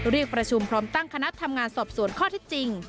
เรียกประชุมพร้อมตั้งคณะทำงานสอบสวนข้อที่จริง